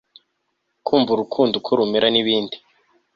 kumva urukundo uko rumera nibindi